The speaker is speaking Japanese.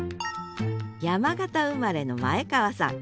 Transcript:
山形生まれの前川さん。